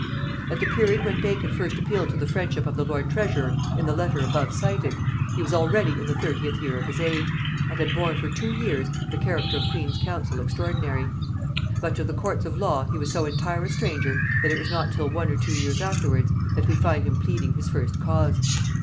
At the period when Bacon first appealed to the friendship of the lord treasurer in the letter above cited, he was already in the thirtieth year of his age, and had borne for two years the character of queen's counsel extraordinary; but to the courts of law he was so entire a stranger that it was not till one or two years afterwards that we find him pleading his first cause.